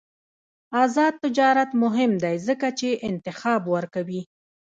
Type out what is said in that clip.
آزاد تجارت مهم دی ځکه چې انتخاب ورکوي.